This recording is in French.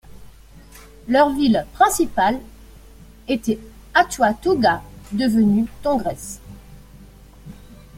Leur ville principal était Atuatuca devenue Tongres.